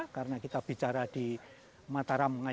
karena kita bicara di mata mata